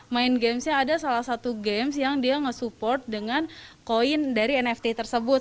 main games nya ada salah satu games yang dia nge support dengan koin dari nft tersebut